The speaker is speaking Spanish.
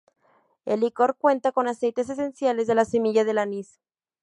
El licor cuenta con aceites esenciales de la semilla del anís.